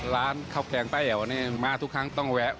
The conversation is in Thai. ร้านข้าวแกงป้าแอ๋วนี่มาทุกครั้งต้องแวะ